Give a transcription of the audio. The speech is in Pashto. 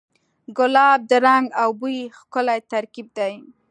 ګلاب د رنګ او بوی ښکلی ترکیب دی.